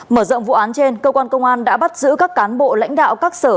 mở rộng vụ án trên cơ quan công an đã bắt giữ các cán bộ lãnh đạo các sở